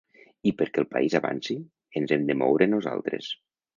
I perquè el país avanci, ens hem de moure nosaltres.